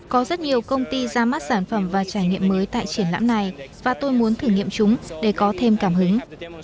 có rất nhiều công ty ra mắt sản phẩm và trải nghiệm mới tại triển lãm này và tôi muốn thử nghiệm chúng để có thêm cảm hứng